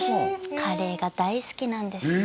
カレーが大好きなんですへえ